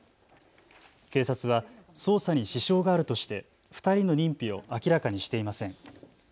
警察は捜査に支障があるとして２人の認否を明らかにしていません。